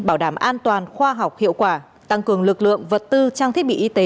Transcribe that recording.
bảo đảm an toàn khoa học hiệu quả tăng cường lực lượng vật tư trang thiết bị y tế